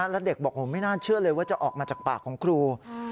แล้วเด็กบอกไม่น่าเชื่อเลยว่าจะออกมาจากปากของครู